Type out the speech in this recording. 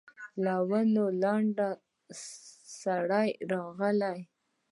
له ونې لنډ سړی راغی.